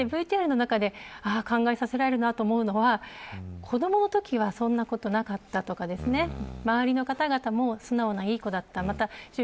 ＶＴＲの中で考えさせられるなと思うのは子どものときはそんなことなかったとか周りの方々も素直な、いい子だった。